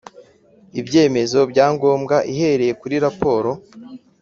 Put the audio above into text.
Ibyemezo bya ngombwa ihereye kuri raporo